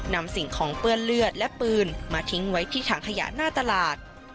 สิ่งของเปื้อนเลือดและปืนมาทิ้งไว้ที่ถังขยะหน้าตลาด